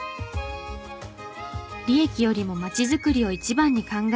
利益よりも町づくりを一番に考える